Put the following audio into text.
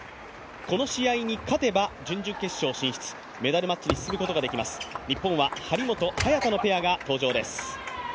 この試合に勝てば、準々決勝進出メダルマッチに進むことができます、日本は張本・早田のペアが登場です。